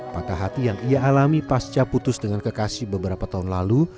patah hati yang ia alami pasca putus dengan kekasih beberapa tahun lalu